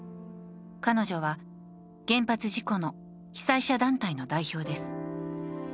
彼女は、原発事故の被災者団体の代表です。